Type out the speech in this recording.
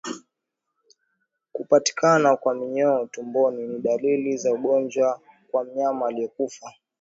Kupatikana kwa minyoo tumboni ni dalili za ugonjwa kwa mnyama aliyekufa